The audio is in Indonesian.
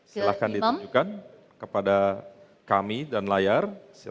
silahkan ditunjukkan kepada kami dan layar